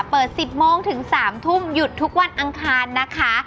เปิด๑๐โมงถึง๓ทุ่มหยุดทุกวันอังคารนะคะ